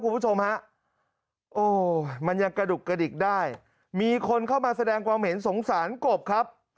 คุณผู้ชมฮะโอ้มันยังกระดุกกระดิกได้มีคนเข้ามาแสดงความเห็นสงสารกบครับ